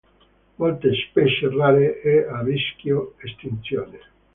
Molte specie rare e a rischio estinzione.